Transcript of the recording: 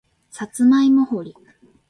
さつまいも掘り